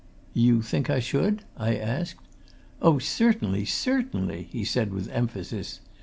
"You think I should?" I asked. "Oh, certainly, certainly!" he said with emphasis.